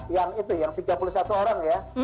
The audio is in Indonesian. yang itu yang tiga puluh satu orang ya